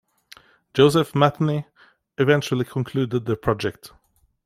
Joseph Matheny eventually concluded the project.